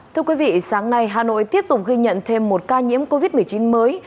thưa quý vị sáng nay hà nội tiếp tục ghi nhận thêm một ca nhiễm covid một mươi chín mới